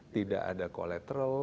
tidak ada collateral